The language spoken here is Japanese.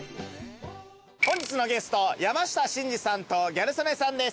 本日のゲスト山下真司さんとギャル曽根さんです。